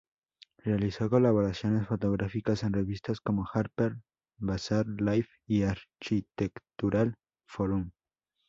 Realizó colaboraciones fotográficas en revistas como Harper's Bazaar, Life y "Architectural Forum".